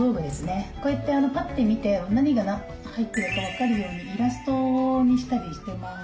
こうやってパッて見て何が入ってるか分かるようにイラストにしたりしてます。